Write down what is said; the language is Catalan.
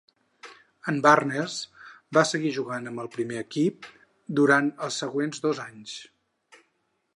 En Barness va seguir jugant amb el primer equip durant els següents dos anys.